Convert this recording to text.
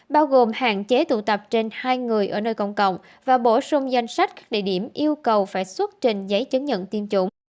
bao gồm hạn chế tụ tập trên hai người ở nơi công cộng và bổ sung danh sách các địa điểm yêu cầu phải xuất trình giấy chứng nhận tiêm chủng